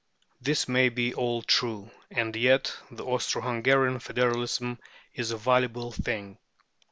This may be all true, and yet the Austro Hungarian federalism is a valuable thing.